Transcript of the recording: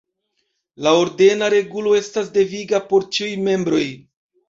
La ordena regulo estas deviga por ĉiuj membroj.